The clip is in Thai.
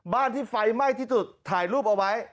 ที่ไฟไหม้ที่สุดถ่ายรูปเอาไว้